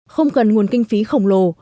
không cần nguồn kinh phí khổng lồ